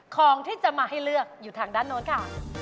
ของที่จะมาให้เลือกอยู่ทางด้านโน้นค่ะ